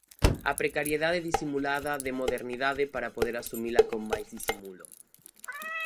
A precariedade disimulada de modernidade para poder asumila con máis disimulo.